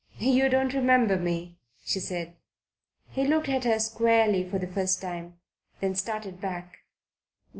"You don't remember me," she said. He looked at her squarely for the first time; then started back.